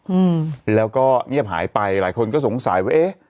อืมแล้วก็เงียบหายไปหลายคนก็สงสัยว่าเอ๊ะ